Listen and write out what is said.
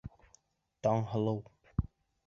Таңһылыу